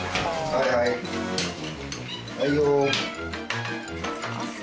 はいよ。